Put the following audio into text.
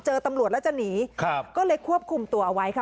เจอตำรวจแล้วจะหนีครับก็เลยควบคุมตัวเอาไว้ค่ะ